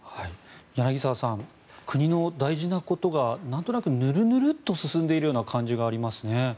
柳澤さん国の大事なことがなんとなくぬるぬるっと進んでいる感じがありますね。